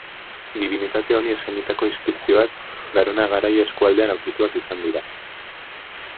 Dibinitate honi eskainitako inskripzioak Garona Garaia eskualdean aurkituak izan dira.